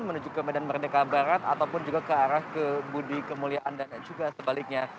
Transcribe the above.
menuju ke medan merdeka barat ataupun juga ke arah ke budi kemuliaan dan juga sebaliknya